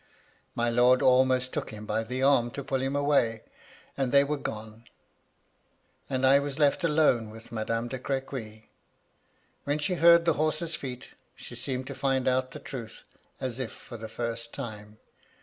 JVIy lord almost took him by the arm to pull him away ; and they were gone, and I was left alone with Madame de Crequy. When she heard the horses' feet, she seemed to find out the truth, as if for the first time.